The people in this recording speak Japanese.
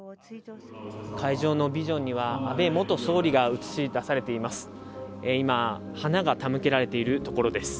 会場のビジョンには、安倍元総理が映し出されています。